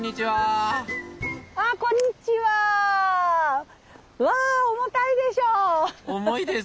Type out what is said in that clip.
はい。